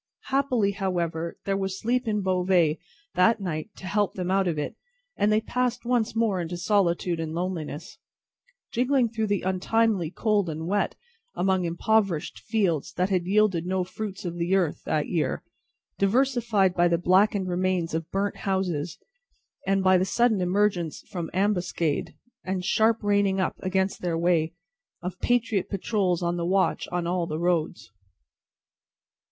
Happily, however, there was sleep in Beauvais that night to help them out of it and they passed on once more into solitude and loneliness: jingling through the untimely cold and wet, among impoverished fields that had yielded no fruits of the earth that year, diversified by the blackened remains of burnt houses, and by the sudden emergence from ambuscade, and sharp reining up across their way, of patriot patrols on the watch on all the roads.